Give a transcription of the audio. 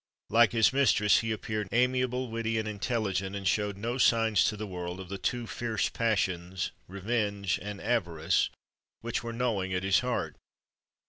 Like his mistress, he appeared amiable, witty, and intelligent, and shewed no signs to the world of the two fierce passions, revenge and avarice, which were gnawing at his heart.